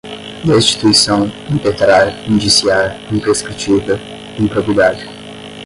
destituição, impetrar, indiciar, imprescritível, improbidade